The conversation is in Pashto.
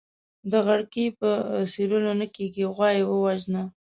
د غړکي په څيرلو نه کېږي ، غوا يې ووژنه.